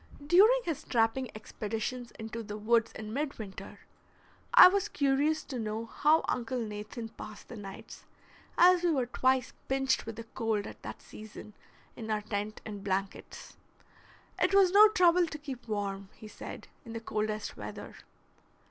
During his trapping expeditions into the woods in midwinter, I was curious to know how Uncle Nathan passed the nights, as we were twice pinched with the cold at that season in our tent and blankets. It was no trouble to keep warm, he said, in the coldest weather.